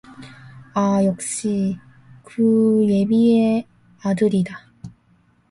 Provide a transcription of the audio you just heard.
아아 역시 그 애비의 아들이다.